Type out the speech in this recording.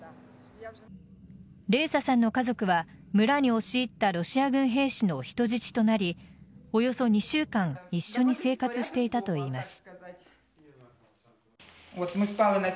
レーサさんの家族は村に押し入ったロシア軍兵士の人質となりおよそ２週間一緒に生活していたといいます。